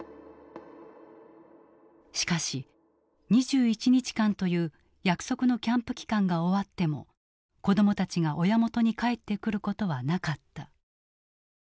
しかし２１日間という約束のキャンプ期間が終わっても子どもたちが親元に帰ってくることはなかった。